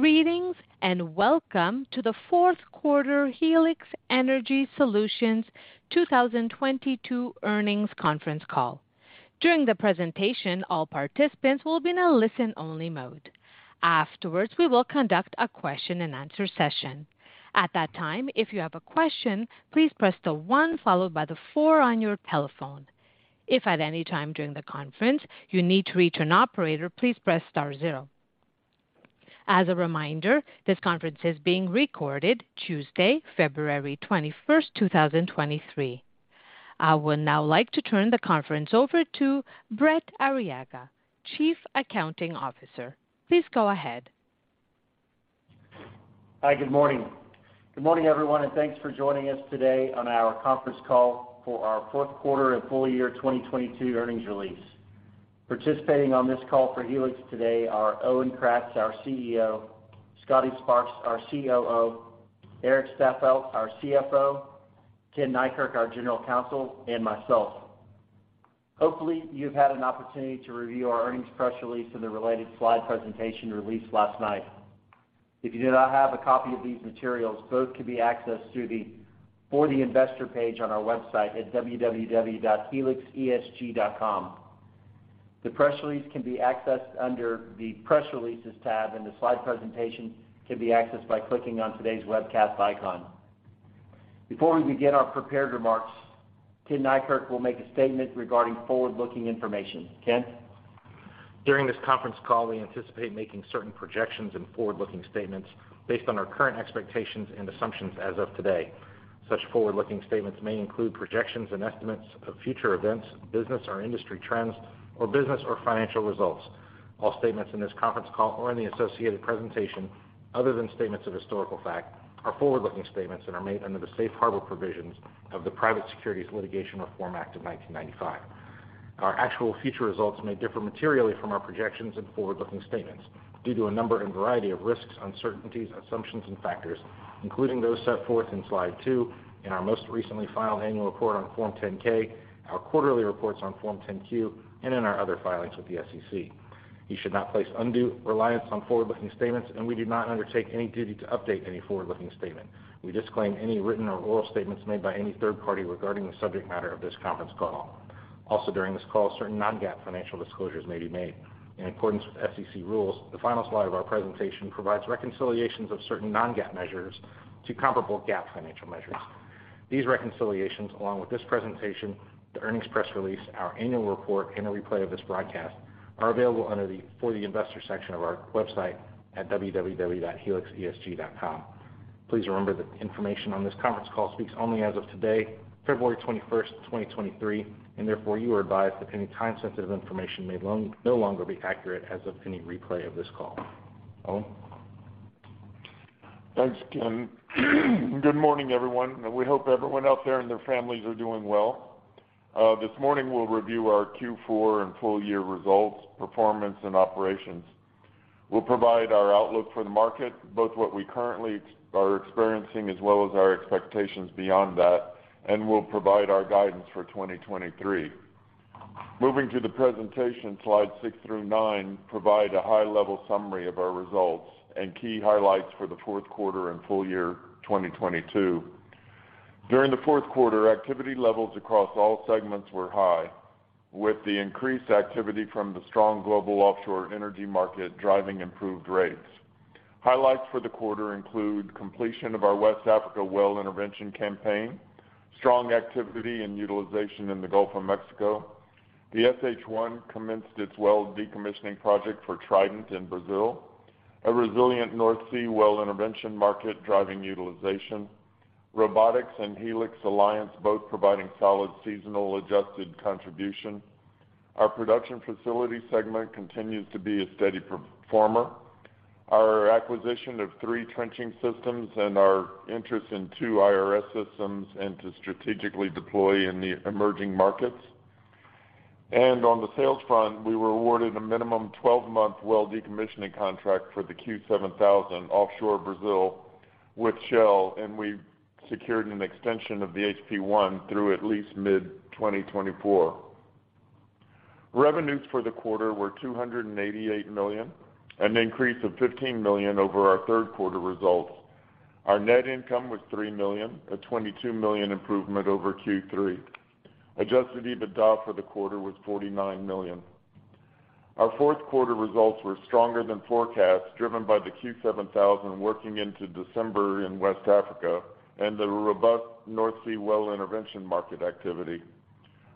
Greetings. Welcome to the fourth quarter Helix Energy Solutions 2022 earnings conference call. During the presentation, all participants will be in a listen-only mode. Afterwards, we will conduct a question-and-answer session. At that time, if you have a question, please press the one followed by the four on your telephone. If at any time during the conference you need to reach an operator, please press star zero. As a reminder, this conference is being recorded Tuesday, February 21st, 2023. I would now like to turn the conference over to Brent Arriaga, Chief Accounting Officer. Please go ahead. Hi, good morning. Good morning, everyone, and thanks for joining us today on our conference call for our fourth quarter and full-year 2022 earnings release. Participating on this call for Helix today are Owen Kratz, our CEO; Scotty Sparks our COO; Erik Staffeldt, our CFO; Ken Neikirk, our General Counsel; and myself. Hopefully, you've had an opportunity to review our earnings press release and the related slide presentation released last night. If you do not have a copy of these materials, both can be accessed through the For the Investor page on our website at www.helixesg.com. The press release can be accessed under the Press Releases tab, and the slide presentation can be accessed by clicking on today's webcast icon. Before we begin our prepared remarks, Ken Neikirk will make a statement regarding forward-looking information. Ken? During this conference call, we anticipate making certain projections and forward-looking statements based on our current expectations and assumptions as of today. Such forward-looking statements may include projections and estimates of future events, business or industry trends, or business or financial results. All statements in this conference call or in the associated presentation, other than statements of historical fact, are forward-looking statements and are made under the safe harbor provisions of the Private Securities Litigation Reform Act of 1995. Our actual future results may differ materially from our projections and forward-looking statements due to a number and variety of risks, uncertainties, assumptions, and factors, including those set forth in slide 2 in our most recently filed annual report on Form 10-K, our quarterly reports on Form 10-Q, and in our other filings with the SEC. You should not place undue reliance on forward-looking statements, and we do not undertake any duty to update any forward-looking statement. We disclaim any written or oral statements made by any third party regarding the subject matter of this conference call. Also, during this call, certain non-GAAP financial disclosures may be made. In accordance with SEC rules, the final slide of our presentation provides reconciliations of certain non-GAAP measures to comparable GAAP financial measures. These reconciliations, along with this presentation, the earnings press release, our annual report, and a replay of this broadcast, are available under the For the Investor section of our website at www.helixesg.com. Please remember that the information on this conference call speaks only as of today, February 21st, 2023, and therefore you are advised that any time-sensitive information may no longer be accurate as of any replay of this call. Owen? Thanks, Ken. Good morning, everyone, and we hope everyone out there and their families are doing well. This morning we'll review our Q4 and full-year results, performance, and operations. We'll provide our outlook for the market, both what we currently are experiencing as well as our expectations beyond that, and we'll provide our guidance for 2023. Moving to the presentation, slide 6 through nine provide a high-level summary of our results and key highlights for the fourth quarter and full-year 2022. During the fourth quarter, activity levels across all segments were high, with the increased activity from the strong global offshore energy market driving improved rates. Highlights for the quarter include completion of our West Africa well intervention campaign, strong activity and utilization in the Gulf of Mexico. The SH 1 commenced its well decommissioning project for Trident in Brazil. A resilient North Sea well intervention market driving utilization. Robotics and Helix Alliance both providing solid seasonal adjusted contribution. Our production facility segment continues to be a steady performer. Our acquisition of three trenching systems and our interest in two IRS systems and to strategically deploy in the emerging markets. On the sales front, we were awarded a minimum 12-month well decommissioning contract for the Q7000 offshore Brazil with Shell. We secured an extension of the HP I through at least mid-2024. Revenues for the quarter were $288 million, an increase of $15 million over our third quarter results. Our net income was $3 million, a $22 million improvement over Q3. Adjusted EBITDA for the quarter was $49 million. Our fourth quarter results were stronger than forecast, driven by the Q7000 working into December in West Africa and the robust North Sea well intervention market activity.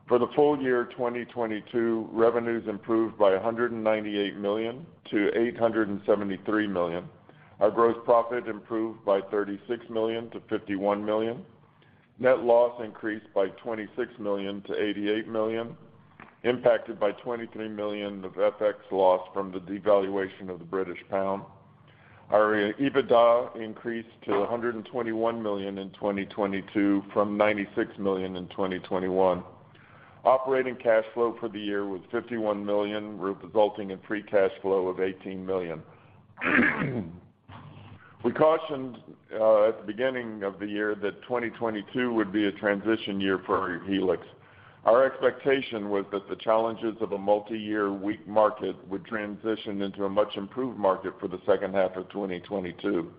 For the full-year 2022, revenues improved by $198 million-$873 million. Our gross profit improved by $36 million-$51 million. Net loss increased by $26 million-$88 million, impacted by 23 million of FX loss from the devaluation of the British pound. Our EBITDA increased to $121 million in 2022 from $96 million in 2021. Operating cash flow for the year was $51 million, resulting in free cash flow of $18 million. We cautioned at the beginning of the year that 2022 would be a transition year for Helix. Our expectation was that the challenges of a multiyear weak market would transition into a much improved market for the second half of 2022.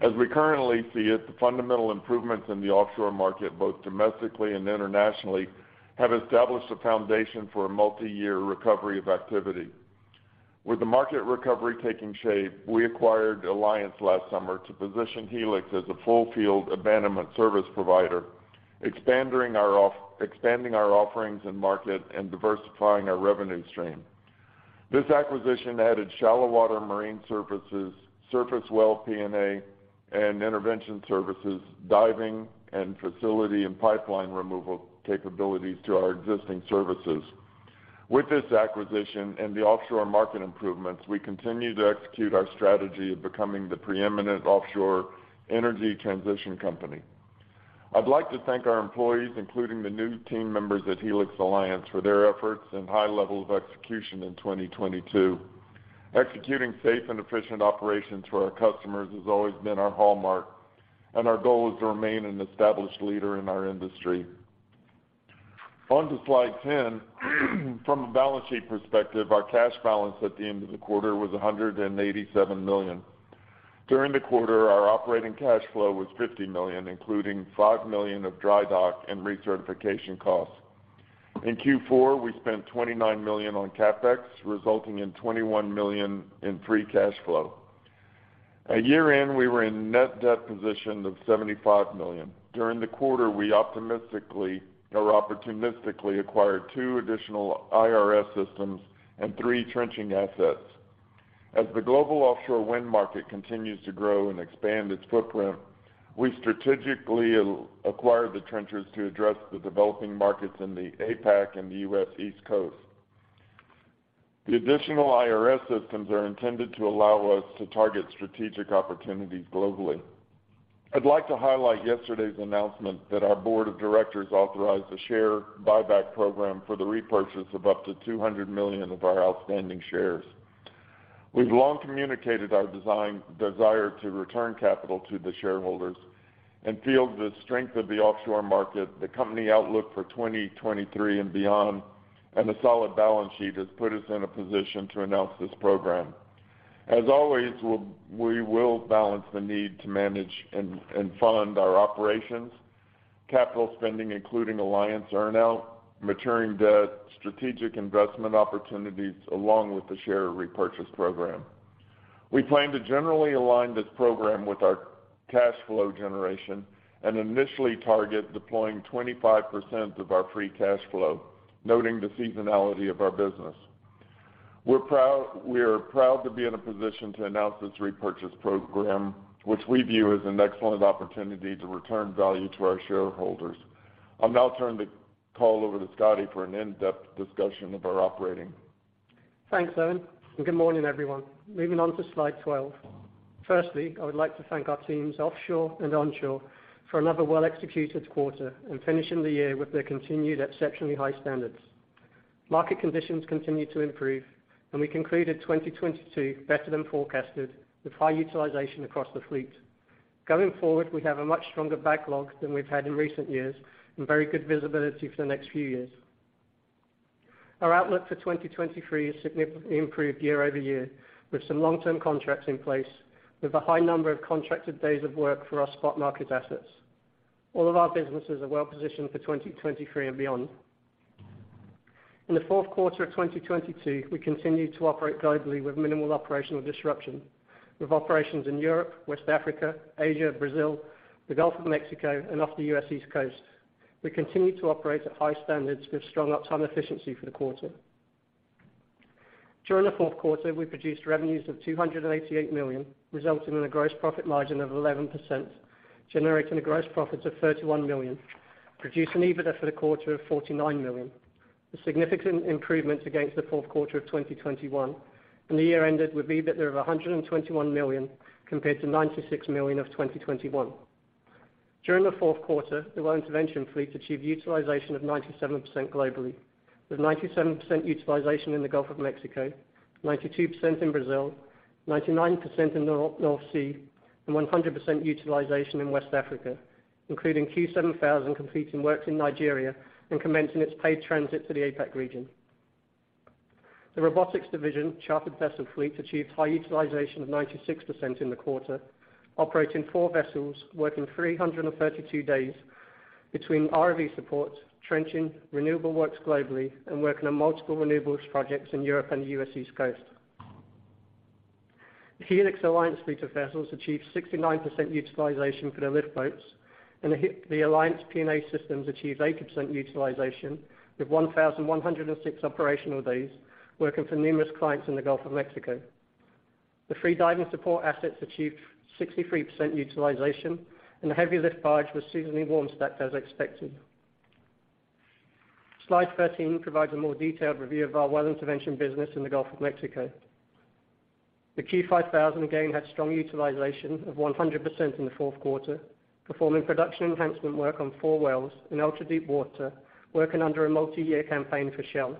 As we currently see it, the fundamental improvements in the offshore market, both domestically and internationally, have established a foundation for a multiyear recovery of activity. With the market recovery taking shape, we acquired Alliance last summer to position Helix as a full field abandonment service provider, expanding our offerings and market and diversifying our revenue stream. This acquisition added shallow water marine surfaces, surface well P&A and intervention services, diving and facility and pipeline removal capabilities to our existing services. With this acquisition and the offshore market improvements, we continue to execute our strategy of becoming the preeminent offshore energy transition company. I'd like to thank our employees, including the new team members at Helix Alliance, for their efforts and high level of execution in 2022. Executing safe and efficient operations for our customers has always been our hallmark. Our goal is to remain an established leader in our industry. On to slide 10. From a balance sheet perspective, our cash balance at the end of the quarter was $187 million. During the quarter, our operating cash flow was $50 million, including $5 million of dry dock and recertification costs. In Q4, we spent $29 million on CapEx, resulting in $21 million in free cash flow. At year-end, we were in net debt position of $75 million. During the quarter, we optimistically or opportunistically acquired two additional IRS systems and three trenching assets. As the global offshore wind market continues to grow and expand its footprint, we strategically acquired the trenchers to address the developing markets in the APAC and the U.S. East Coast. The additional IRS systems are intended to allow us to target strategic opportunities globally. I'd like to highlight yesterday's announcement that our board of directors authorized a share buyback program for the repurchase of up to $200 million of our outstanding shares. We've long communicated our desire to return capital to the shareholders and feel the strength of the offshore market, the company outlook for 2023 and beyond, and a solid balance sheet has put us in a position to announce this program. As always, we will balance the need to manage and fund our operations, capital spending, including Alliance earn out, maturing debt, strategic investment opportunities along with the share repurchase program. We plan to generally align this program with our cash flow generation and initially target deploying 25% of our free cash flow, noting the seasonality of our business. We are proud to be in a position to announce this repurchase program, which we view as an excellent opportunity to return value to our shareholders. I'll now turn the call over to Scotty for an in-depth discussion of our operating. Thanks, Owen. Good morning, everyone. Moving on to slide 12. Firstly, I would like to thank our teams offshore and onshore for another well-executed quarter and finishing the year with their continued exceptionally high standards. Market conditions continue to improve, and we concluded 2022 better than forecasted with high utilization across the fleet. Going forward, we have a much stronger backlog than we've had in recent years and very good visibility for the next few years. Our outlook for 2023 is significantly improved year-over-year, with some long-term contracts in place, with a high number of contracted days of work for our spot market assets. All of our businesses are well positioned for 2023 and beyond. In the fourth quarter of 2022, we continued to operate globally with minimal operational disruption, with operations in Europe, West Africa, Asia, Brazil, the Gulf of Mexico and off the U.S. East Coast. We continued to operate at high standards with strong uptime efficiency for the quarter. During the fourth quarter, we produced revenues of $288 million, resulting in a gross profit margin of 11%, generating a gross profit of $31 million, producing EBITDA for the quarter of $49 million, a significant improvement against the fourth quarter of 2021. The year ended with EBITDA of $121 million compared to $96 million of 2021. During the fourth quarter, the well intervention fleet achieved utilization of 97% globally, with 97% utilization in the Gulf of Mexico, 92% in Brazil, 99% in the North Sea, and 100% utilization in West Africa, including Q7000 completing works in Nigeria and commencing its paid transit to the APAC region. The robotics division chartered vessel fleet achieved high utilization of 96% in the quarter, operating four vessels working 332 days between ROV support, trenching, renewable works globally, and working on multiple renewables projects in Europe and the U.S. East Coast. The Helix Alliance fleet of vessels achieved 69% utilization for the lift boats, and the Alliance P&A systems achieved 80% utilization with 1,106 operational days working for numerous clients in the Gulf of Mexico. The free diving support assets achieved 63% utilization, and the heavy lift barge was seasonally warm stacked as expected. Slide 13 provides a more detailed review of our well intervention business in the Gulf of Mexico. The Q5000 again had strong utilization of 100% in the fourth quarter, performing production enhancement work on four wells in ultra-deep water, working under a multi-year campaign for Shell.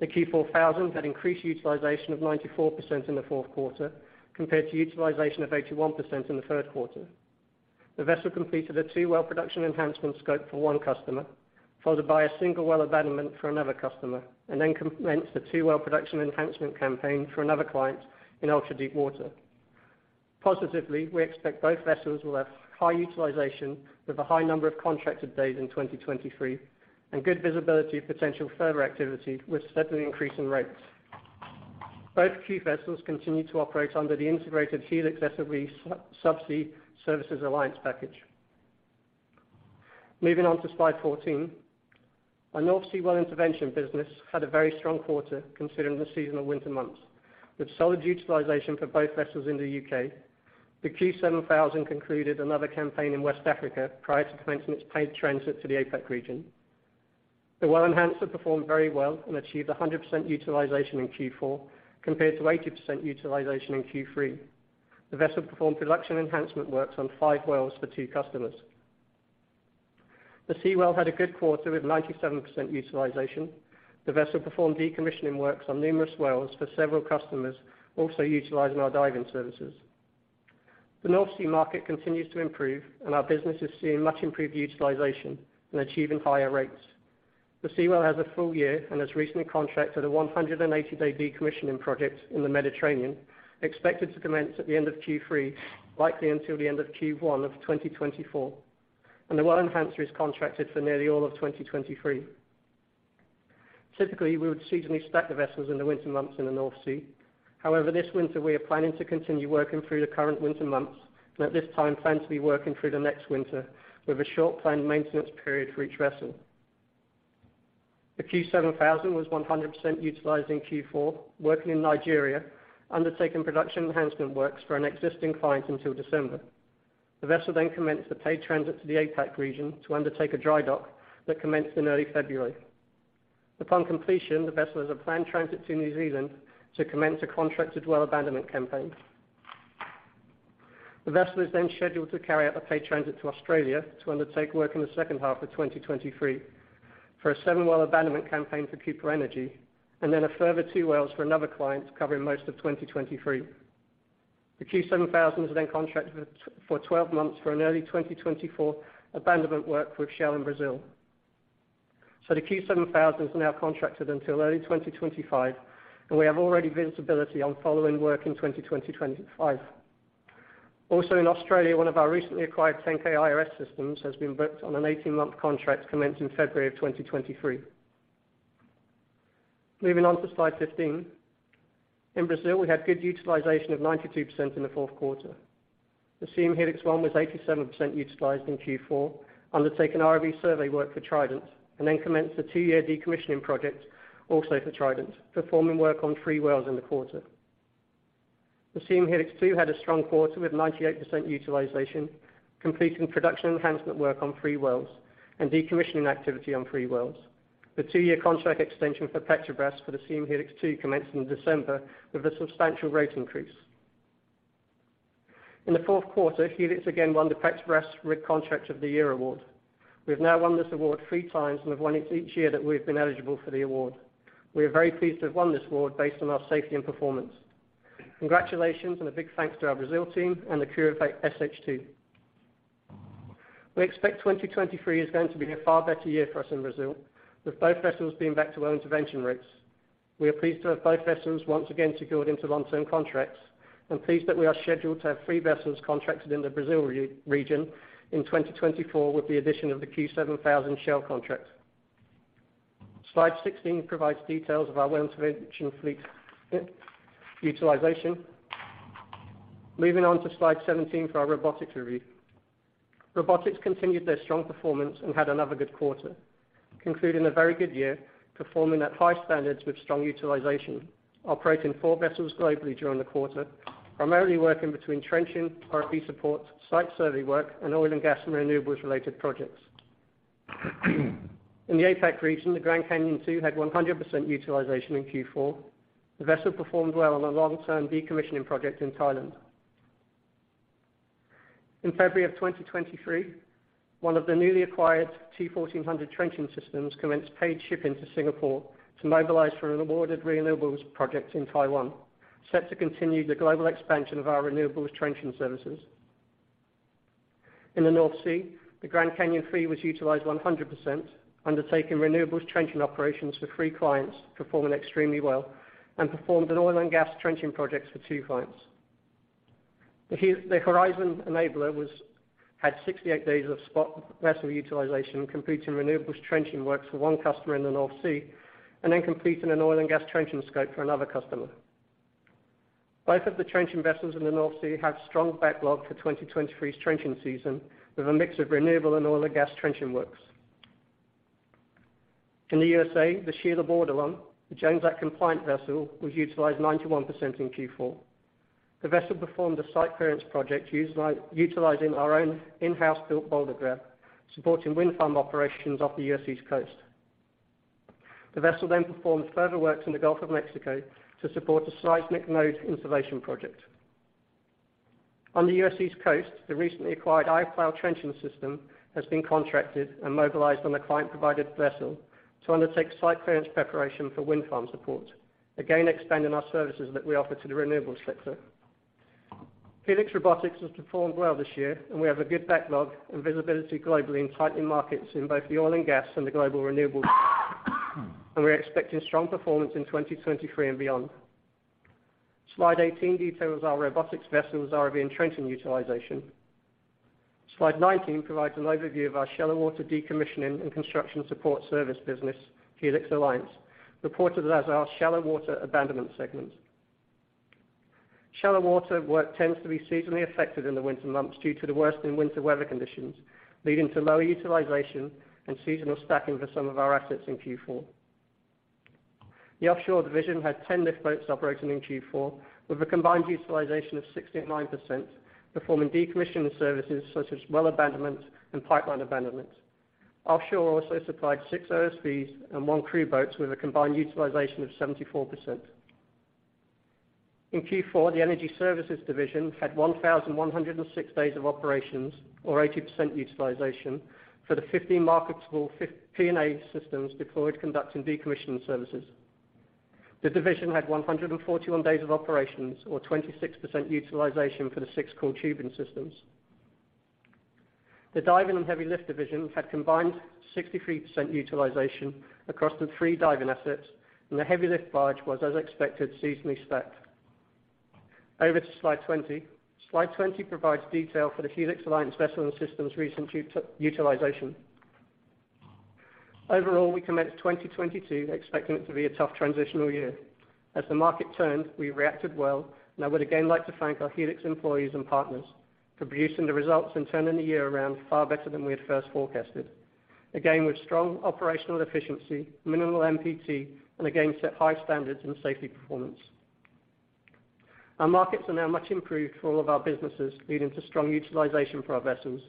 The Q4000 had increased utilization of 94% in the fourth quarter compared to utilization of 81% in the third quarter. The vessel completed a two well production enhancement scope for one customer, followed by a one well abandonment for another customer, and then commenced a two well production enhancement campaign for another client in ultra-deep water. Positively, we expect both vessels will have high utilization with a high number of contracted days in 2023, and good visibility of potential further activity with a steady increase in rates. Both Q vessels continue to operate under the integrated Helix SLB Subsea Services Alliance package. Moving on to slide 14. Our North Sea Well Intervention business had a very strong quarter considering the seasonal winter months, with solid utilization for both vessels in the U.K. The Q7000 concluded another campaign in West Africa prior to commencing its paid transit to the APAC region. The Well Enhancer performed very well and achieved 100% utilization in Q4 compared to 80% utilization in Q3. The vessel performed production enhancement works on five wells for two customers. The Seawell had a good quarter with 97% utilization. The vessel performed decommissioning works on numerous wells for several customers, also utilizing our diving services. The North Sea market continues to improve, and our business is seeing much improved utilization and achieving higher rates. The Seawell has a full-year and has recently contracted a 180-day decommissioning project in the Mediterranean, expected to commence at the end of Q3, likely until the end of Q1 of 2024. The Well Enhancer is contracted for nearly all of 2023. Typically, we would seasonally stack the vessels in the winter months in the North Sea. However, this winter, we are planning to continue working through the current winter months, and at this time plan to be working through the next winter with a short planned maintenance period for each vessel. The Q7000 was 100% utilized in Q4, working in Nigeria, undertaking production enhancement works for an existing client until December. The vessel then commenced a paid transit to the APAC region to undertake a dry dock that commenced in early February. Upon completion, the vessel has a planned transit to New Zealand to commence a contracted well abandonment campaign. The vessel is then scheduled to carry out a paid transit to Australia to undertake work in the second half of 2023 for a seven-well abandonment campaign for Cooper Energy, and then a further two wells for another client covering most of 2023. The Q7000 is then contracted for 12 months for an early 2024 abandonment work for Shell in Brazil. The Q7000 is now contracted until early 2025, and we have already visibility on following work in 2025. Also in Australia, one of our recently acquired 10K IRS systems has been booked on an 18-month contract commencing February of 2023. Moving on to slide 15. In Brazil, we had good utilization of 92% in the fourth quarter. The Siem Helix 1 was 87% utilized in Q4, undertaking ROV survey work for Trident Energy, and then commenced a two-year decommissioning project, also for Trident Energy, performing work on three wells in the quarter. The Siem Helix 2 had a strong quarter with 98% utilization, completing production enhancement work on three wells and decommissioning activity on three wells. The two-year contract extension for Petrobras for the Siem Helix 2 commenced in December with a substantial rate increase. In the fourth quarter, Helix again won the Petrobras Rig Contract of the Year award. We have now won this award three times. We've won it each year that we've been eligible for the award. We are very pleased to have won this award based on our safety and performance. Congratulations and a big thanks to our Brazil team and the crew of Siem Helix 2. We expect 2023 is going to be a far better year for us in Brazil, with both vessels being back to well intervention rates. We are pleased to have both vessels once again secured into long-term contracts and pleased that we are scheduled to have three vessels contracted in the Brazil region in 2024 with the addition of the Q7000 Shell contract. Slide 16 provides details of our well intervention fleet utilization. Moving on to slide 17 for our robotics review. Robotics continued their strong performance and had another good quarter, concluding a very good year, performing at high standards with strong utilization, operating four vessels globally during the quarter, primarily working between trenching, ROV support, site survey work, and oil and gas and renewables related projects. In the APAC region, the Grand Canyon II had 100% utilization in Q4. The vessel performed well on a long-term decommissioning project in Thailand. In February of 2023, one of the newly acquired T1400 trenching systems commenced paid shipping to Singapore to mobilize for an awarded renewables project in Taiwan, set to continue the global expansion of our renewables trenching services. In the North Sea, the Grand Canyon III was utilized 100%, undertaking renewables trenching operations for three clients, performing extremely well, and performed an oil and gas trenching project for two clients. The Horizon Enabler had 68 days of spot vessel utilization, completing renewables trenching works for one customer in the North Sea, and then completing an oil and gas trenching scope for another customer. Both of the trenching vessels in the North Sea have strong backlog for 2023's trenching season, with a mix of renewable and oil and gas trenching works. In the USA, the Sheila Bordelon, a Jones Act-compliant vessel, was utilized 91% in Q4. The vessel performed a site clearance project utilizing our own in-house-built boulder grab, supporting wind farm operations off the U.S. East Coast. The vessel then performed further works in the Gulf of Mexico to support a seismic node installation project. On the U.S. East Coast, the recently acquired i-Plough trenching system has been contracted and mobilized on a client-provided vessel to undertake site clearance preparation for wind farm support, again expanding our services that we offer to the renewables sector. Helix Robotics has performed well this year, and we have a good backlog and visibility globally in tightening markets in both the oil and gas and the global renewables sector, and we're expecting strong performance in 2023 and beyond. Slide 18 details our robotics vessels, ROV, and trenching utilization. Slide 19 provides an overview of our shallow water decommissioning and construction support service business, Helix Alliance, reported as our Shallow Water Abandonment segment. Shallow water work tends to be seasonally affected in the winter months due to the worsening winter weather conditions, leading to lower utilization and seasonal stacking for some of our assets in Q4. The offshore division had 10 lift boats operating in Q4 with a combined utilization of 69%, performing decommissioning services such as well abandonment and pipeline abandonment. Offshore also supplied six OSVs and one crew boat with a combined utilization of 74%. In Q4, the energy services division had 1,106 days of operations or 80% utilization for the 50 marketable P&A systems deployed conducting decommissioning services. The division had 141 days of operations or 26% utilization for the six coiled tubing systems. The diving and heavy lift division had combined 63% utilization across the three diving assets. The heavy lift barge was, as expected, seasonally stacked. Over to slide 20. Slide 20 provides detail for the Helix Alliance vessel and systems recent utilization. Overall, we commenced 2022 expecting it to be a tough transitional year. As the market turned, we reacted well, and I would again like to thank our Helix employees and partners for producing the results and turning the year around far better than we had first forecasted. With strong operational efficiency, minimal MPT, and again set high standards in safety performance. Our markets are now much improved for all of our businesses, leading to strong utilization for our vessels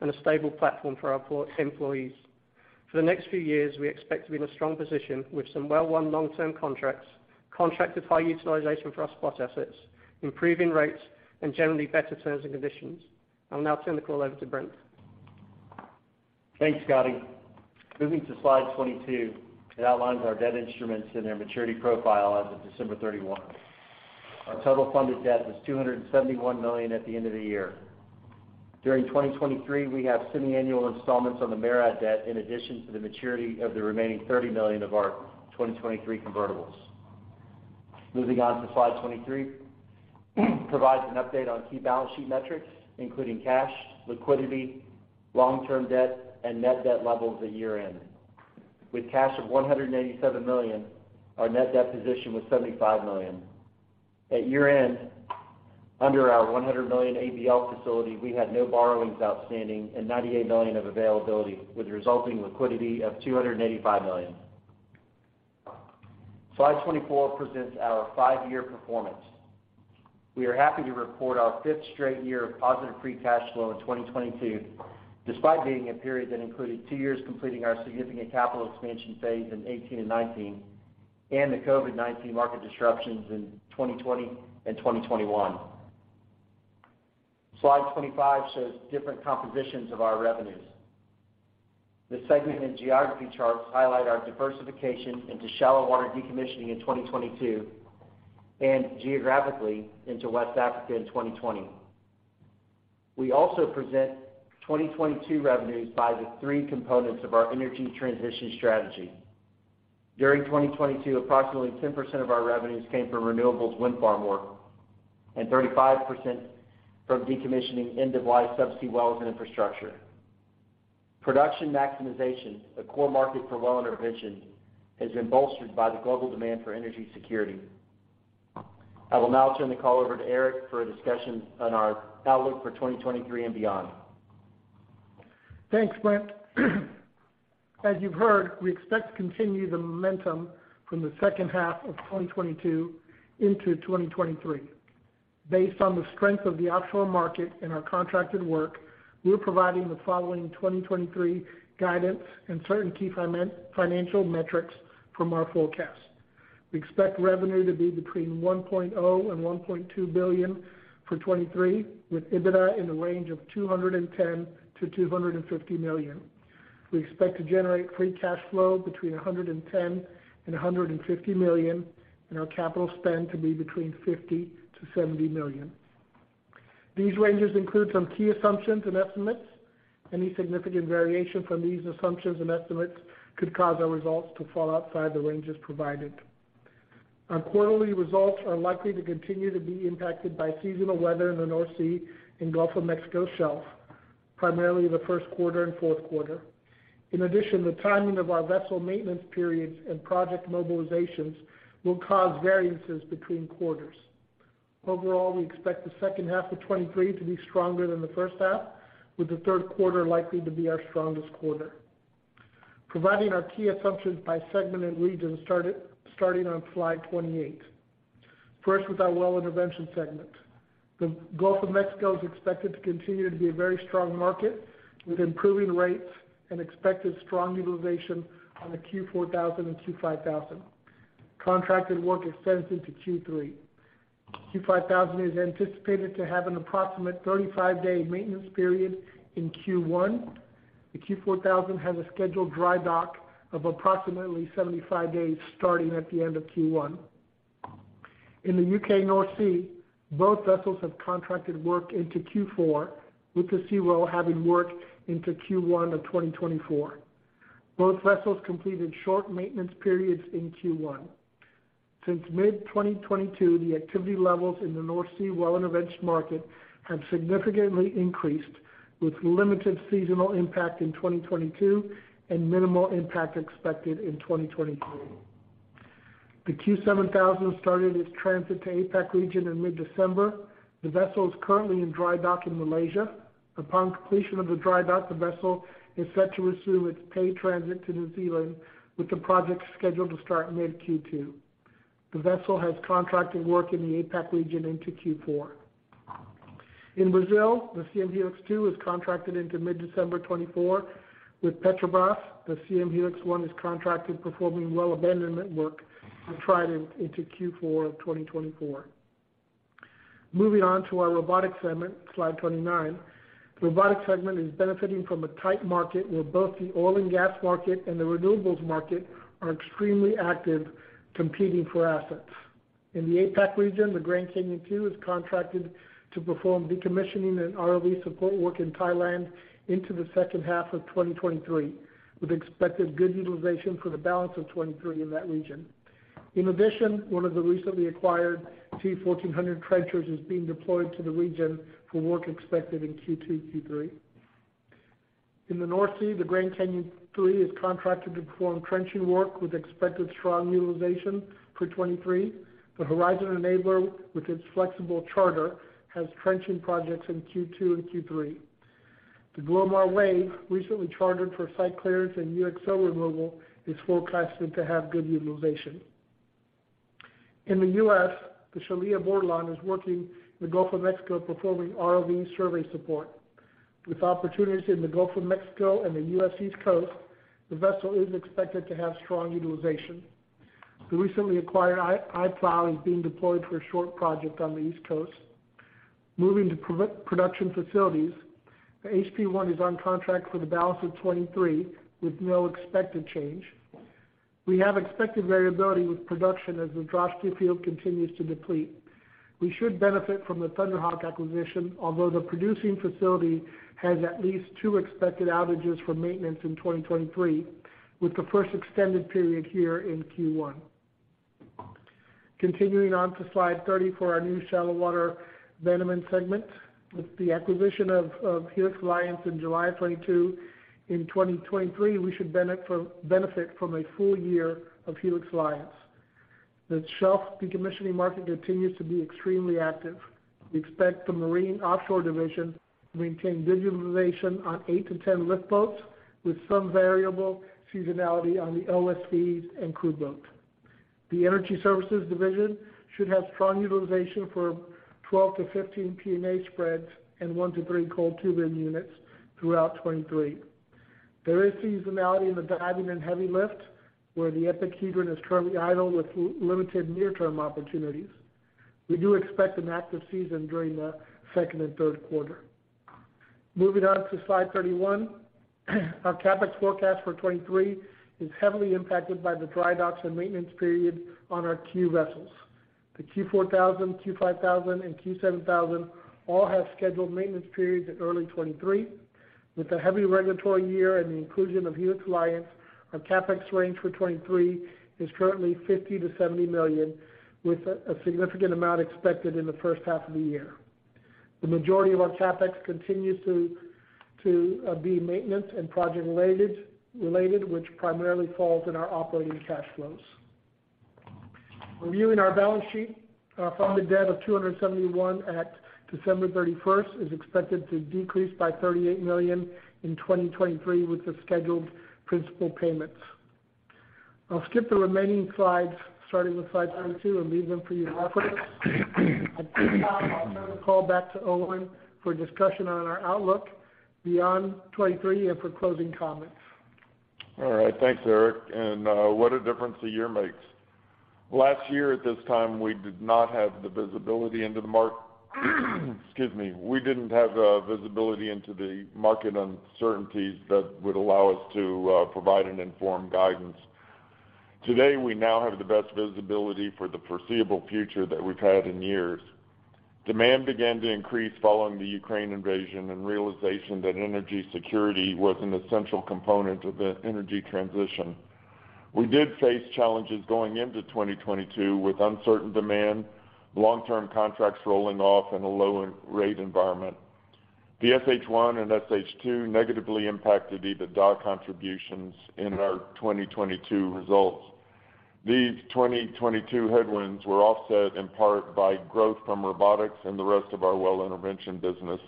and a stable platform for our employees. For the next few years, we expect to be in a strong position with some well-won long-term contracts, contracted high utilization for our spot assets, improving rates, and generally better terms and conditions. I'll now turn the call over to Brent. Thanks, Scotty. Moving to slide 22, it outlines our debt instruments and their maturity profile as of December 31. Our total funded debt was $271 million at the end of the year. During 2023, we have semiannual installments on the MARAD debt in addition to the maturity of the remaining $30 million of our 2023 convertibles. Moving on to slide 23 provides an update on key balance sheet metrics, including cash, liquidity, long-term debt, and net debt levels at year-end. With cash of $187 million, our net debt position was $75 million. At year-end, under our $100 million ABL facility, we had no borrowings outstanding and $98 million of availability, with resulting liquidity of $285 million. Slide 24 presents our five-year performance. We are happy to report our fifth straight year of positive free cash flow in 2022, despite being a period that included two years completing our significant capital expansion phase in 2018 and 2019, and the COVID-19 market disruptions in 2020 and 2021. Slide 25 shows different compositions of our revenues. The segment and geography charts highlight our diversification into shallow water decommissioning in 2022 and geographically into West Africa in 2020. We also present 2022 revenues by the three components of our energy transition strategy. During 2022, approximately 10% of our revenues came from renewables wind farm work and 35% from decommissioning end-of-life subsea wells and infrastructure. Production maximization, a core market for well intervention, has been bolstered by the global demand for energy security. I will now turn the call over to Erik for a discussion on our outlook for 2023 and beyond. Thanks, Brent. As you've heard, we expect to continue the momentum from the second half of 2022 into 2023. Based on the strength of the offshore market and our contracted work, we're providing the following 2023 guidance and certain key financial metrics from our forecast. We expect revenue to be between $1.0 billion and $1.2 billion for 2023, with EBITDA in the range of $210 million-$250 million. We expect to generate free cash flow between $110 million and $150 million, and our capital spend to be between $50 million-$70 million. These ranges include some key assumptions and estimates. Any significant variation from these assumptions and estimates could cause our results to fall outside the ranges provided. Our quarterly results are likely to continue to be impacted by seasonal weather in the North Sea and Gulf of Mexico shelf, primarily the first quarter and fourth quarter. In addition, the timing of our vessel maintenance periods and project mobilizations will cause variances between quarters. Overall, we expect the second half of 2023 to be stronger than the first half, with the third quarter likely to be our strongest quarter. Providing our key assumptions by segment and region starting on slide 28. First, with our well intervention segment. The Gulf of Mexico is expected to continue to be a very strong market with improving rates and expected strong utilization on the Q4000 and Q5000. Contracted work extends into Q3. Q5000 is anticipated to have an approximate 35 day maintenance period in Q1. The Q4000 has a scheduled dry dock of approximately 75 days starting at the end of Q1. In the U.K. North Sea, both vessels have contracted work into Q4, with the Seawell having work into Q1 of 2024. Both vessels completed short maintenance periods in Q1. Since mid-2022, the activity levels in the North Sea well intervention market have significantly increased, with limited seasonal impact in 2022 and minimal impact expected in 2023. The Q7000 started its transit to APAC region in mid-December. The vessel is currently in dry dock in Malaysia. Upon completion of the dry dock, the vessel is set to resume its paid transit to New Zealand, with the project scheduled to start mid Q2. The vessel has contracted work in the APAC region into Q4. In Brazil, the Siem Helix 2 is contracted into mid-December 2024 with Petrobras. The Siem Helix 1 is contracted performing well abandonment work with Trident into Q4 of 2024. Moving on to our robotics segment, slide 29. The robotics segment is benefiting from a tight market where both the oil and gas market and the renewables market are extremely active competing for assets. In the APAC region, the Grand Canyon II is contracted to perform decommissioning and ROV support work in Thailand into the second half of 2023, with expected good utilization for the balance of 2023 in that region. One of the recently acquired T1400 trenchers is being deployed to the region for work expected in Q2, Q3. In the North Sea, the Grand Canyon III is contracted to perform trenching work with expected strong utilization for 2023. The Horizon Enabler, with its flexible charter, has trenching projects in Q2 and Q3. The Glomar Wave, recently chartered for site clearance and UXO removal, is forecasted to have good utilization. In the U.S., the Shelia Bordelon is working in the Gulf of Mexico performing ROV survey support. With opportunities in the Gulf of Mexico and the U.S. East Coast, the vessel is expected to have strong utilization. The recently acquired i-Plough is being deployed for a short project on the East Coast. Moving to pro-production facilities, the HP one is on contract for the balance of 2023 with no expected change. We have expected variability with production as the Droshky field continues to deplete. We should benefit from the Thunder Hawk acquisition, although the producing facility has at least two expected outages for maintenance in 2023, with the first extended period here in Q1. Continuing on to slide 30 for our new Shallow Water Abandonment segment. With the acquisition of Helix Alliance in July of 2022, in 2023, we should benefit from a full-year of Helix Alliance. The shelf decommissioning market continues to be extremely active. We expect the marine offshore division to maintain visualization on eight-10 lift boats with some variable seasonality on the OSVs and crew boats. The energy services division should have strong utilization for 12-15 PNA spreads and one to three coiled tubing units throughout 2023. There is seasonality in the diving and heavy lift, where the EPIC Hedron is currently idle with limited near-term opportunities. We do expect an active season during the second and third quarter. Moving on to slide 31. Our CapEx forecast for 2023 is heavily impacted by the dry docks and maintenance period on our Q vessels. The Q4000, Q5000, and Q7000 all have scheduled maintenance periods in early 2023. With a heavy regulatory year and the inclusion of Helix Alliance, our CapEx range for 2023 is currently $50 million-$70 million, with a significant amount expected in the first half of the year. The majority of our CapEx continues to be maintenance and project related, which primarily falls in our operating cash flows. Reviewing our balance sheet, our funded debt of $271 million at December 31st is expected to decrease by $38 million in 2023 with the scheduled principal payments. I'll skip the remaining slides, starting with slide 32, and leave them for you to reference. At this time, I'll turn the call back to Owen for discussion on our outlook beyond 2023 and for closing comments. All right. Thanks, Erik. What a difference a year makes. Last year at this time, we did not have the visibility into the market. We didn't have visibility into the market uncertainties that would allow us to provide an informed guidance. Today, we now have the best visibility for the foreseeable future that we've had in years. Demand began to increase following the Ukraine invasion and realization that energy security was an essential component of the energy transition. We did face challenges going into 2022 with uncertain demand, long-term contracts rolling off in a low rate environment. The Siem Helix 1 and Siem Helix 2 negatively impacted EBITDA contributions in our 2022 results. These 2022 headwinds were offset in part by growth from robotics and the rest of our well intervention business,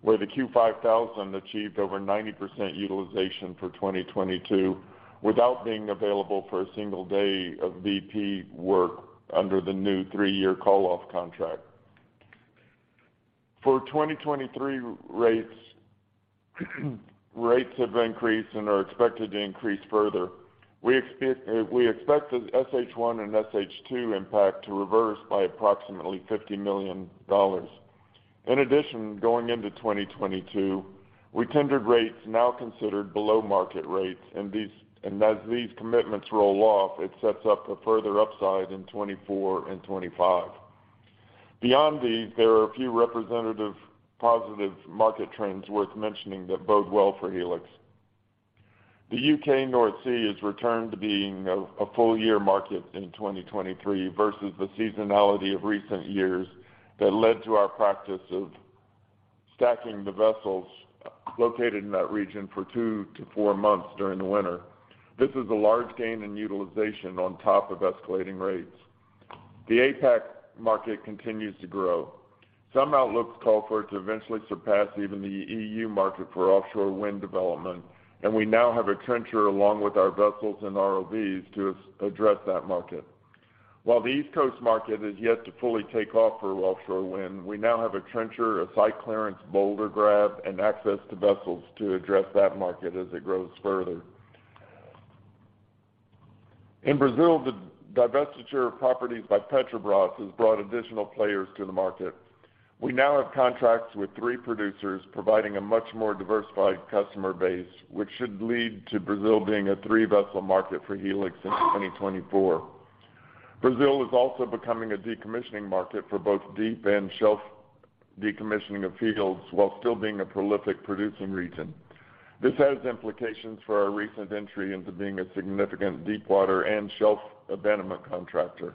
where the Q5000 achieved over 90% utilization for 2022 without being available for a single day of VP work under the new three-year call-off contract. For 2023 rates have increased and are expected to increase further. We expect the SH1 and SH2 impact to reverse by approximately $50 million. In addition, going into 2022, we tendered rates now considered below market rates, and as these commitments roll off, it sets up a further upside in 2024 and 2025. Beyond these, there are a few representative positive market trends worth mentioning that bode well for Helix. The U.K. North Sea has returned to being a full-year market in 2023 versus the seasonality of recent years that led to our practice of stacking the vessels located in that region for two to four months during the winter. This is a large gain in utilization on top of escalating rates. The APAC market continues to grow. Some outlooks call for it to eventually surpass even the EU market for offshore wind development. We now have a trencher along with our vessels and ROVs to address that market. While the East Coast market is yet to fully take off for offshore wind, we now have a trencher, a site clearance boulder grab, and access to vessels to address that market as it grows further. In Brazil, the divestiture of properties by Petrobras has brought additional players to the market. We now have contracts with three producers providing a much more diversified customer base, which should lead to Brazil being a three-vessel market for Helix in 2024. Brazil is also becoming a decommissioning market for both deep and shelf decommissioning of fields while still being a prolific producing region. This has implications for our recent entry into being a significant deepwater and shelf abandonment contractor.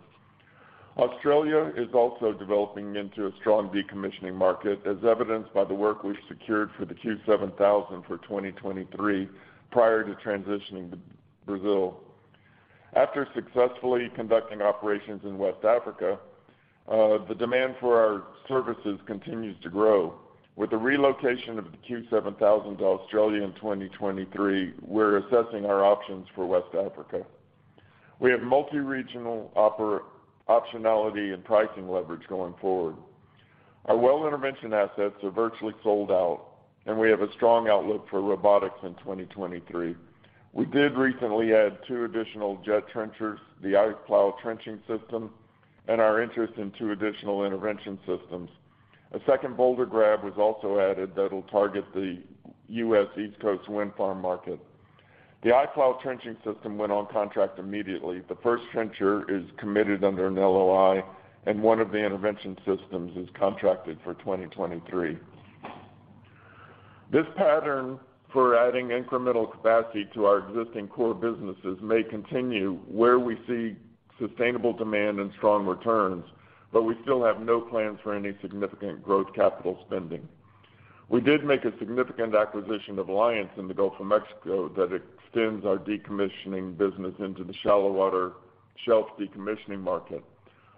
Australia is also developing into a strong decommissioning market, as evidenced by the work we've secured for the Q7000 for 2023 prior to transitioning to Brazil. After successfully conducting operations in West Africa, the demand for our services continues to grow. With the relocation of the Q7000 to Australia in 2023, we're assessing our options for West Africa. We have multi-regional optionality and pricing leverage going forward. Our well intervention assets are virtually sold out. We have a strong outlook for robotics in 2023. We did recently add two additional jet trenchers, the i-Plough trenching system, and our interest in two additional intervention systems. A second boulder grab was also added that'll target the U.S. East Coast wind farm market. The i-Plough trenching system went on contract immediately. The first trencher is committed under an LOI. One of the intervention systems is contracted for 2023. This pattern for adding incremental capacity to our existing core businesses may continue where we see sustainable demand and strong returns. We still have no plans for any significant growth capital spending. We did make a significant acquisition of Alliance in the Gulf of Mexico that extends our decommissioning business into the shallow water shelf decommissioning market.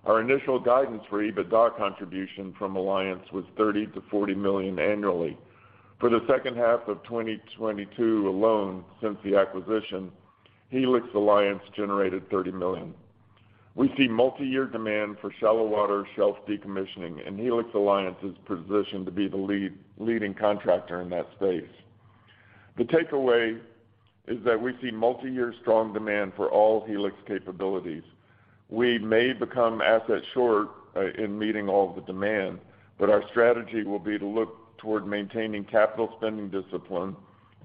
Our initial guidance for EBITDA contribution from Alliance was $30 million-$40 million annually. For the second half of 2022 alone since the acquisition, Helix Alliance generated $30 million. We see multiyear demand for shallow water shelf decommissioning, and Helix Alliance is positioned to be the leading contractor in that space. The takeaway is that we see multiyear strong demand for all Helix capabilities. We may become asset short in meeting all of the demand, but our strategy will be to look toward maintaining capital spending discipline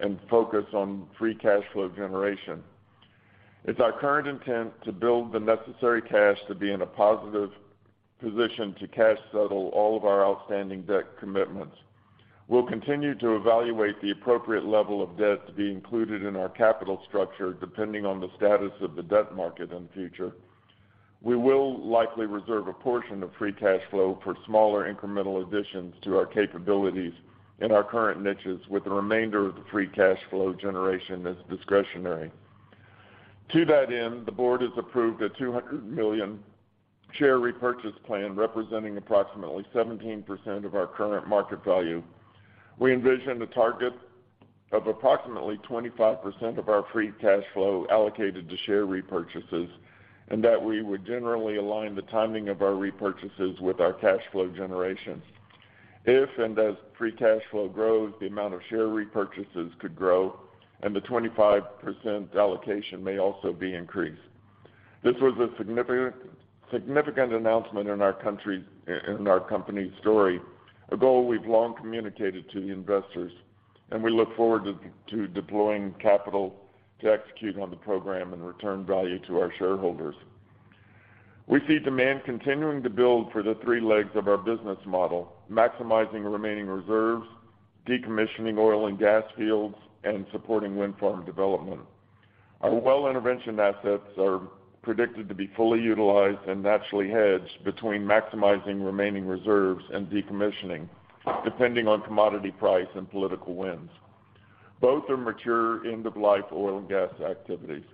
and focus on free cash flow generation. It's our current intent to build the necessary cash to be in a positive position to cash settle all of our outstanding debt commitments. We'll continue to evaluate the appropriate level of debt to be included in our capital structure, depending on the status of the debt market in the future. We will likely reserve a portion of free cash flow for smaller incremental additions to our capabilities in our current niches with the remainder of the free cash flow generation as discretionary. To that end, the board has approved a $200 million share repurchase plan representing approximately 17% of our current market value. We envision a target of approximately 25% of our free cash flow allocated to share repurchases, and that we would generally align the timing of our repurchases with our cash flow generation. If and as free cash flow grows, the amount of share repurchases could grow, and the 25% allocation may also be increased. This was a significant announcement in our company's story, a goal we've long communicated to the investors, we look forward to deploying capital to execute on the program and return value to our shareholders. We see demand continuing to build for the three legs of our business model, maximizing remaining reserves, decommissioning oil and gas fields, and supporting wind farm development. Our well intervention assets are predicted to be fully utilized and naturally hedged between maximizing remaining reserves and decommissioning, depending on commodity price and political winds. Both are mature end-of-life oil and gas activities.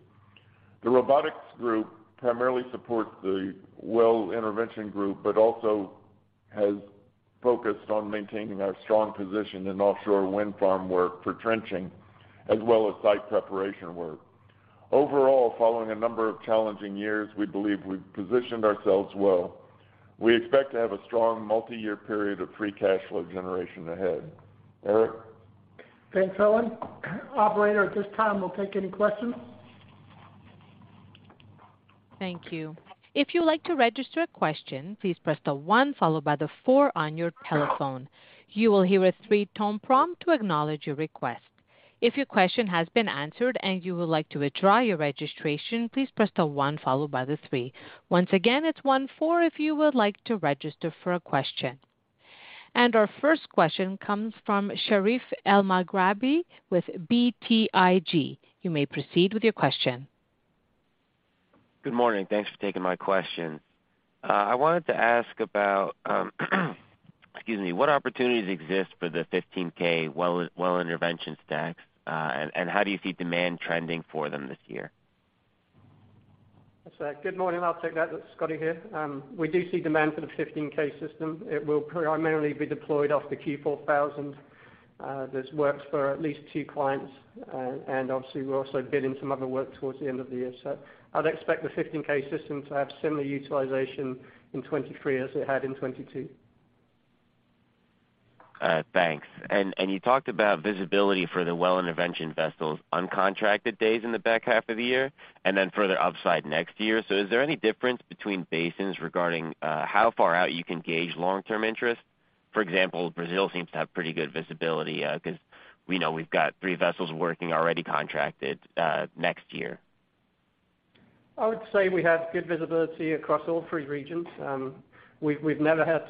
The robotics group primarily supports the well intervention group, also has focused on maintaining our strong position in offshore wind farm work for trenching, as well as site preparation work. Following a number of challenging years, we believe we've positioned ourselves well. We expect to have a strong multiyear period of free cash flow generation ahead. Erik? Thanks, Owen. Operator, at this time, we'll take any questions. Thank you. If you'd like to register a question, please press the one followed by the four on your telephone. You will hear a three-tone prompt to acknowledge your request. If your question has been answered and you would like to withdraw your registration, please press the one followed by the three. Once again, it's one, four if you would like to register for a question. Our first question comes from Sherif Elmaghrabi with BTIG. You may proceed with your question. Good morning. Thanks for taking my question. I wanted to ask about, excuse me. What opportunities exist for the 15K well intervention stacks, and how do you see demand trending for them this year? Good morning. I'll take that. Scotty here. We do see demand for the 15K system. It will primarily be deployed off the Q4000. This works for at least two clients. Obviously, we're also bidding some other work towards the end of the year. I'd expect the 15K system to have similar utilization in 2023 as it had in 2022. Thanks. You talked about visibility for the well intervention vessels uncontracted days in the back half of the year and then further upside next year. Is there any difference between basins regarding how far out you can gauge long-term interest? Brazil seems to have pretty good visibility because we know we've got three vessels working already contracted next year. I would say we have good visibility across all three regions. We've never had,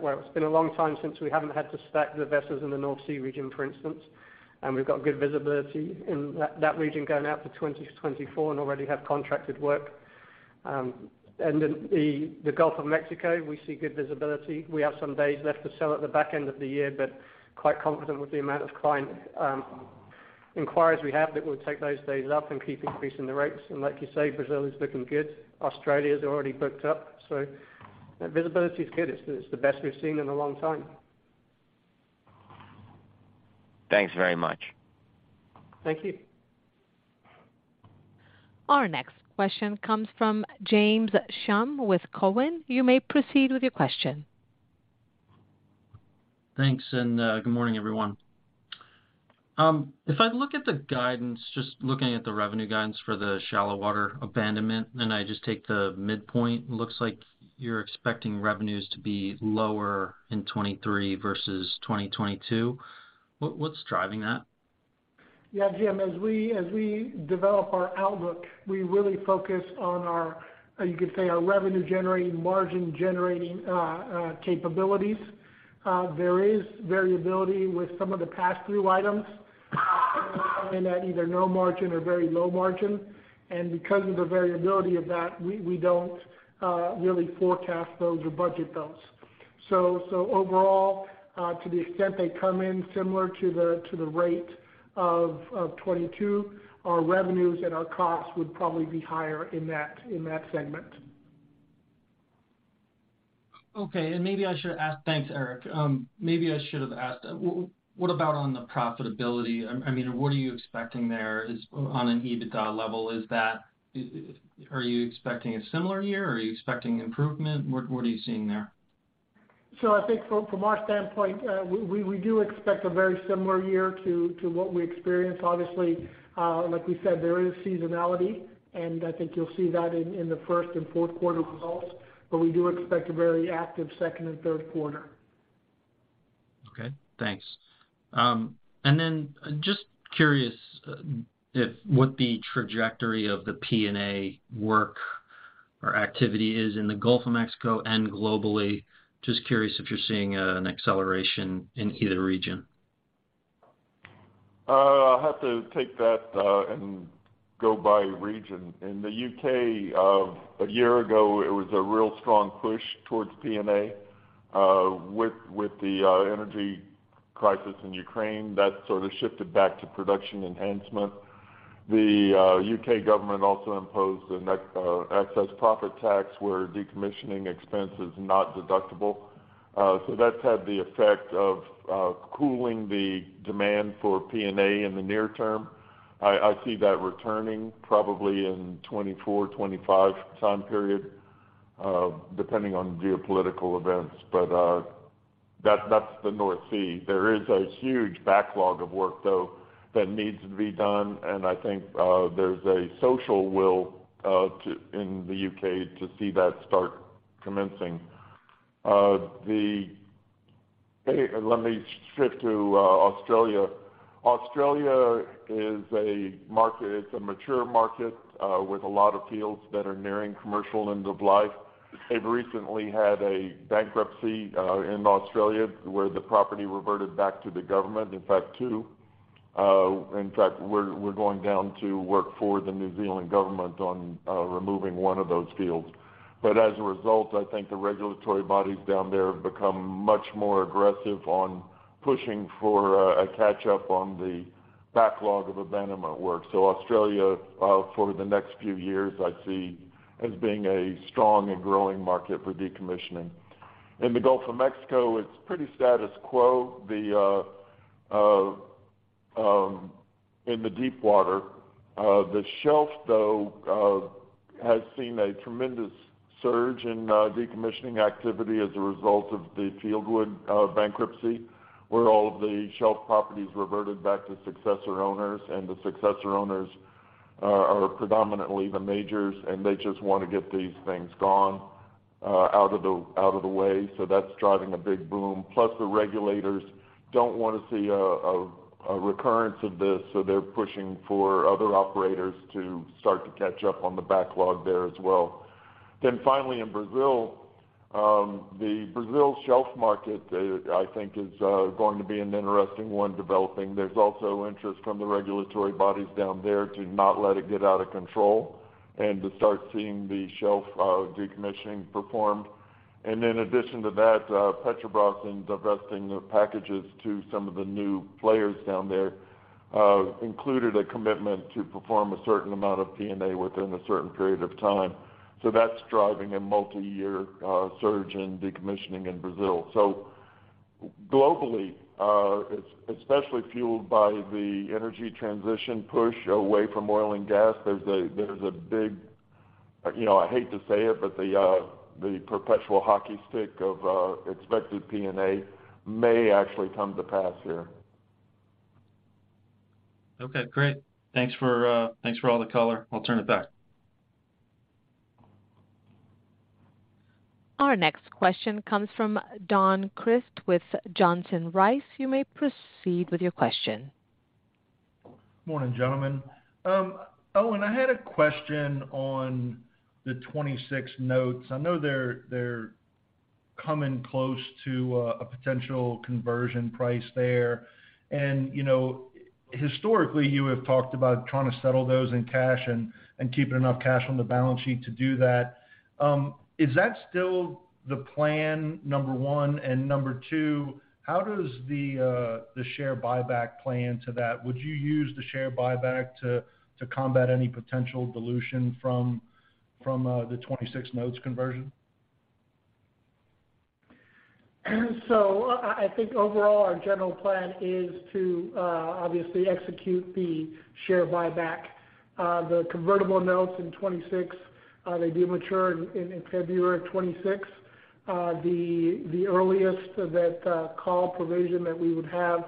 well, it's been a long time since we haven't had to stack the vessels in the North Sea region, for instance. We've got good visibility in that region going out to 2020-2024 and already have contracted work. In the Gulf of Mexico, we see good visibility. We have some days left to sell at the back end of the year. Quite confident with the amount of client inquiries we have that we'll take those days up and keep increasing the rates. Like you say, Brazil is looking good. Australia is already booked up. Visibility is good. It's the best we've seen in a long time. Thanks very much. Thank you. Our next question comes from James Schumm with Cowen. You may proceed with your question. Thanks. Good morning, everyone. If I look at the guidance, just looking at the revenue guidance for the Shallow Water Abandonment, and I just take the midpoint, looks like you're expecting revenues to be lower in 2023 versus 2022. What's driving that? Yeah, Jim, as we develop our outlook, we really focus on our, you could say, our revenue generating, margin generating capabilities. There is variability with some of the pass-through items coming at either no margin or very low margin. Because of the variability of that, we don't really forecast those or budget those. Overall, to the extent they come in similar to the rate of 2022, our revenues and our costs would probably be higher in that segment. Okay. Maybe I should ask. Thanks, Erik. Maybe I should have asked, what about on the profitability? I mean, what are you expecting there is on an EBITDA level? Are you expecting a similar year? Are you expecting improvement? What are you seeing there? I think from our standpoint, we do expect a very similar year to what we experienced. Obviously, like we said, there is seasonality, and I think you'll see that in the first and fourth quarter results. We do expect a very active second and third quarter. Okay, thanks. Just curious, if what the trajectory of the P&A work or activity is in the Gulf of Mexico and globally. Just curious if you're seeing, an acceleration in either region. I'll have to take that and go by region. In the U.K., a year ago, it was a real strong push towards P&A. With the energy crisis in Ukraine, that sort of shifted back to production enhancement. The U.K. government also imposed an excess profit tax where decommissioning expense is not deductible. That's had the effect of cooling the demand for P&A in the near term. I see that returning probably in 2024, 2025 time period, depending on geopolitical events. That's the North Sea. There is a huge backlog of work, though, that needs to be done, and I think there's a social will to, in the U.K. to see that start commencing. Hey, let me shift to Australia. Australia is a market, it's a mature market, with a lot of fields that are nearing commercial end of life. They've recently had a bankruptcy in Australia, where the property reverted back to the government. In fact, two. In fact, we're going down to work for the New Zealand government on removing one of those fields. As a result, I think the regulatory bodies down there have become much more aggressive on pushing for a catch-up on the backlog of abandonment work. Australia, for the next few years, I see as being a strong and growing market for decommissioning. In the Gulf of Mexico, it's pretty status quo. In the deepwater. The shelf, though, has seen a tremendous surge in decommissioning activity as a result of the Fieldwood bankruptcy, where all of the shelf properties reverted back to successor owners, and the successor owners are predominantly the majors, and they just wanna get these things gone out of the, out of the way. That's driving a big boom. The regulators don't wanna see a recurrence of this, so they're pushing for other operators to start to catch up on the backlog there as well. Finally, in Brazil, the Brazil shelf market, I think is going to be an interesting one developing. There's also interest from the regulatory bodies down there to not let it get out of control and to start seeing the shelf decommissioning performed. In addition to that, Petrobras in divesting the packages to some of the new players down there, included a commitment to perform a certain amount of P&A within a certain period of time. That's driving a multiyear surge in decommissioning in Brazil. Globally, it's especially fueled by the energy transition push away from oil and gas. There's a, there's a big, you know, I hate to say it, but the perpetual hockey stick of expected P&A may actually come to pass here. Okay, great. Thanks for all the color. I'll turn it back. Our next question comes from Don Crist with Johnson Rice. You may proceed with your question. Morning, gentlemen. Owen, I had a question on the 2026 notes. I know they're coming close to a potential conversion price there. You know, historically, you have talked about trying to settle those in cash and keeping enough cash on the balance sheet to do that. Is that still the plan, number one? Number two, how does the share buyback play into that? Would you use the share buyback to combat any potential dilution from the 2026 notes conversion? I think overall our general plan is to obviously execute the share buyback. The convertible notes in 2026, they do mature in February of 2026. The earliest that call provision that we would have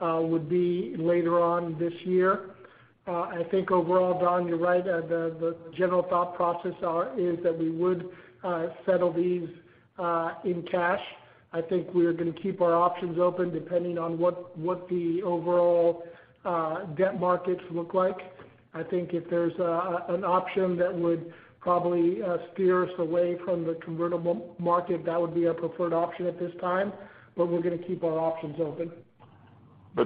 would be later on this year. I think overall, Don, you're right. The general thought process is that we would settle these in cash. I think we are gonna keep our options open depending on what the overall debt markets look like. I think if there's an option that would probably steer us away from the convertible market, that would be our preferred option at this time. We're gonna keep our options open.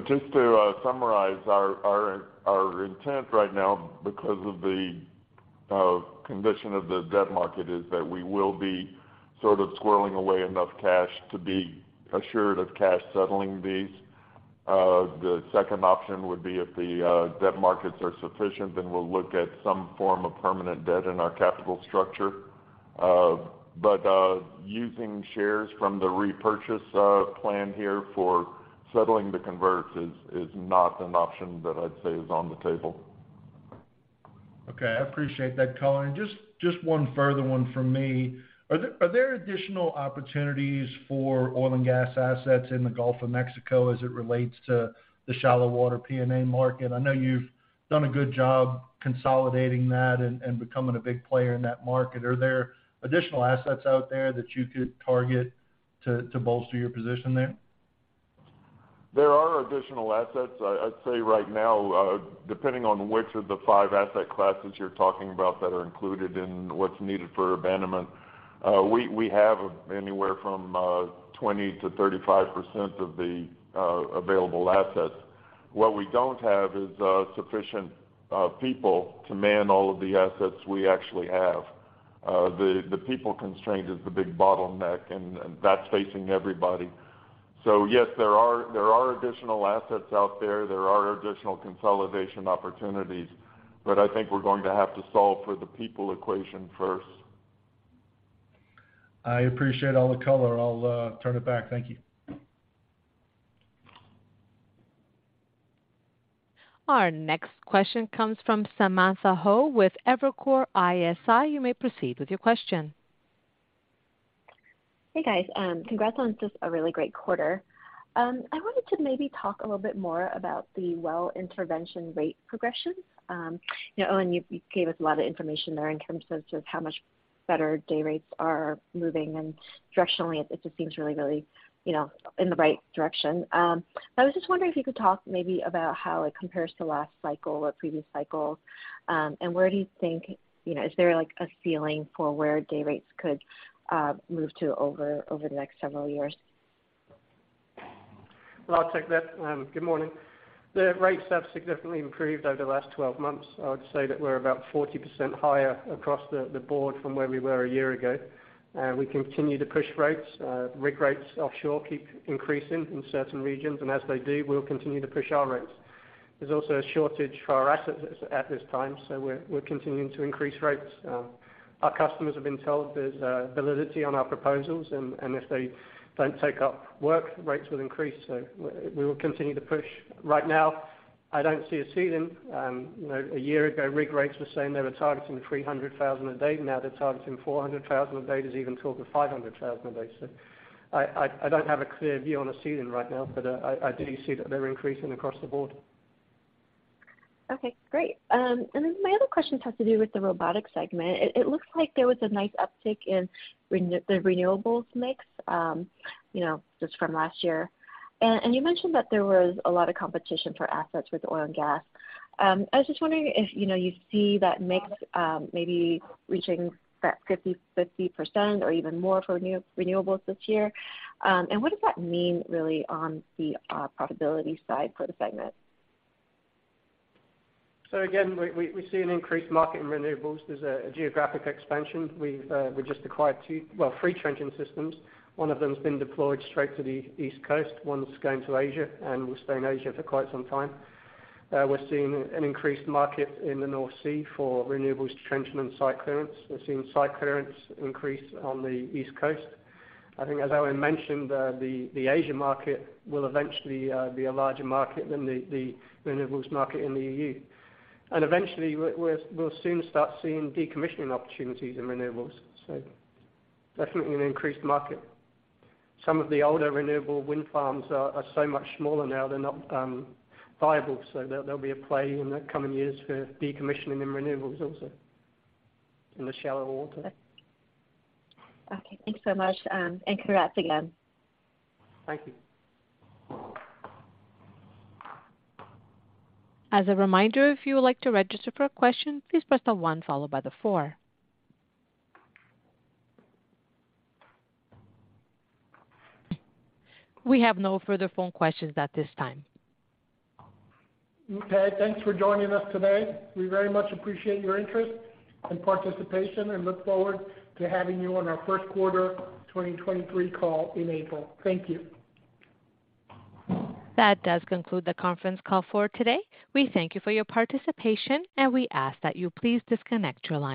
Just to summarize, our intent right now because of the condition of the debt market is that we will be sort of squirreling away enough cash to be assured of cash settling these. The second option would be if the debt markets are sufficient, then we'll look at some form of permanent debt in our capital structure. Using shares from the repurchase plan here for settling the converts is not an option that I'd say is on the table. Okay. I appreciate that color. Just one further one from me. Are there additional opportunities for oil and gas assets in the Gulf of Mexico as it relates to the shallow water P&A market? I know you've done a good job consolidating that and becoming a big player in that market. Are there additional assets out there that you could target to bolster your position there? There are additional assets. I'd say right now, depending on which of the five asset classes you're talking about that are included in what's needed for abandonment, we have anywhere from 20%-35% of the available assets. What we don't have is sufficient people to man all of the assets we actually have. The people constraint is the big bottleneck, and that's facing everybody. Yes, there are additional assets out there. There are additional consolidation opportunities. I think we're going to have to solve for the people equation first. I appreciate all the color. I'll turn it back. Thank you. Our next question comes from Samantha Hoh with Evercore ISI. You may proceed with your question. Hey, guys. Congrats on just a really great quarter. I wanted to maybe talk a little bit more about the well intervention rate progression. You know, Owen, you gave us a lot of information there in terms of just how much better day rates are moving. Directionally, it just seems really, you know, in the right direction. I was just wondering if you could talk maybe about how it compares to last cycle or previous cycles. Where do you think, you know, is there like a feeling for where day rates could move to over the next several years? Well, I'll take that. Good morning. The rates have significantly improved over the last 12 months. I would say that we're about 40% higher across the board from where we were a year ago. We continue to push rates. Rig rates offshore keep increasing in certain regions. As they do, we'll continue to push our rates. There's also a shortage for our assets at this time, so we're continuing to increase rates. Our customers have been told there's validity on our proposals, and if they don't take up work, rates will increase, so we will continue to push. Right now, I don't see a ceiling. You know, a year ago, rig rates were saying they were targeting $300,000 a day. Now they're targeting $400,000 a day. There's even talk of $500,000 a day. I don't have a clear view on a ceiling right now, but I do see that they're increasing across the board. Okay, great. Then my other question has to do with the robotics segment. It looks like there was a nice uptick in the renewables mix, you know, just from last year. You mentioned that there was a lot of competition for assets with oil and gas. I was just wondering if, you know, you see that mix maybe reaching that 50% or even more for renewables this year, and what does that mean really on the profitability side for the segment? Again, we see an increased market in renewables. There's a geographic expansion. We've just acquired three trenching systems. One of them has been deployed straight to the East Coast. One's going to Asia and will stay in Asia for quite some time. We're seeing an increased market in the North Sea for renewables trenching and site clearance. We're seeing site clearance increase on the East Coast. I think as Owen mentioned, the Asia market will eventually be a larger market than the renewables market in the EU. Eventually we'll soon start seeing decommissioning opportunities in renewables. Definitely an increased market. Some of the older renewable wind farms are so much smaller now, they're not viable. There, there'll be a play in the coming years for decommissioning in renewables also in the shallow water. Okay. Thanks so much, and congrats again. Thank you. As a reminder, if you would like to register for a question, please press the one followed by the four. We have no further phone questions at this time. Thanks for joining us today. We very much appreciate your interest and participation and look forward to having you on our first quarter, 2023 call in April. Thank you. That does conclude the conference call for today. We thank you for your participation, and we ask that you please disconnect your line.